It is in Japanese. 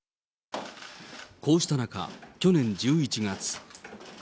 こうした中、去年１１月。